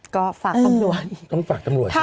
ก็ฝากจำนวน